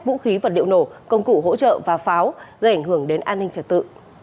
vũ khí vật điệu nổ công cụ hỗ trợ và pháo gây ảnh hưởng đến an ninh trả tự